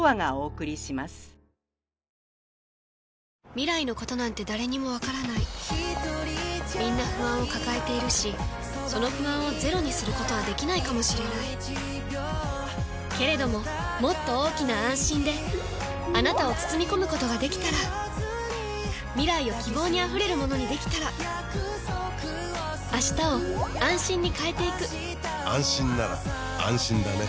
未来のことなんて誰にもわからないみんな不安を抱えているしその不安をゼロにすることはできないかもしれないけれどももっと大きな「あんしん」であなたを包み込むことができたら未来を希望にあふれるものにできたら変わりつづける世界に、「あんしん」を。